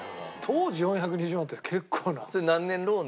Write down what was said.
当時４２０万って結構な。